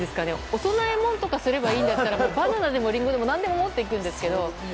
お供え物すればいいならバナナでもリンゴでも何でも持っていくんですけど。